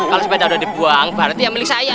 kalau sepeda udah dibuang berarti ya milik saya